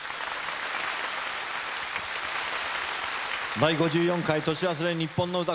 『第５４回年忘れにっぽんの歌』。